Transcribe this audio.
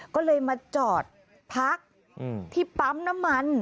ก็เลยมาจอดพักที่ปั๊มน้ำมัน